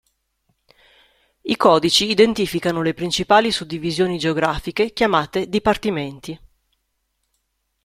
I codici identificano le principali suddivisioni geografiche chiamate Dipartimenti.